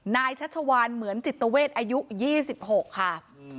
ชัชวานเหมือนจิตเวทอายุ๒๖ค่ะ